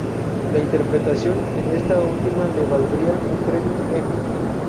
La interpretación en esta última le valdría un premio "Emmy".